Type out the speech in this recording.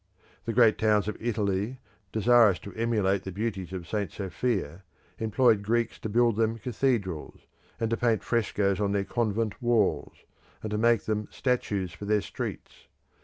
The great towns of Italy, desirous to emulate the beauties of St. Sophia, employed Greeks to build them cathedrals, and to paint frescoes on their convent walls, and to make them statues for their streets.